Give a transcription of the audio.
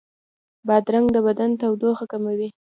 بادرنګ د بدن تودوخه کموي.